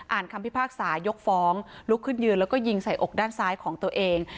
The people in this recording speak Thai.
คำพิพากษายกฟ้องลุกขึ้นยืนแล้วก็ยิงใส่อกด้านซ้ายของตัวเอง